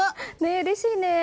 うれしいね。